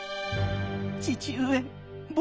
父上僕